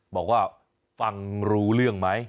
บอกว่าฟังรู้เรื่องไหม